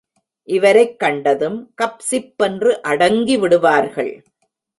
இவரைக் கண்டதும் கப்சிப் என்று அடங்கி விடுவார்கள்.